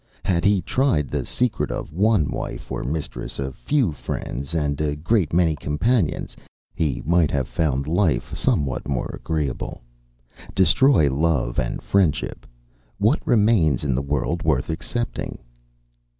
Had he tried the secret of one wife or mistress, a few friends, and a great many companions, he might have found lite somewhat more agreeable. Destroy love and friendship, what remains in the world worth accepting?"